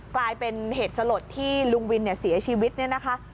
กลายเป็นเหตุสลดที่ลุงวินเสียชีวิตเนี่ยนะคะ